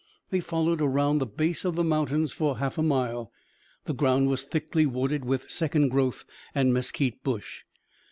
They followed around the base of the mountains for a half mile. The ground was thickly wooded with second growth and mesquite bush.